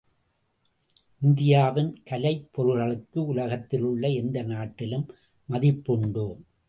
இந்தியாவின் கலைப்பொருள்களுக்கு உலகத்திலுள்ள எந்த நாட்டிலும் மதிப்புண்டு.